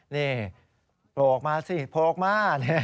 นี่โผล่ออกมาสิโผล่ออกมา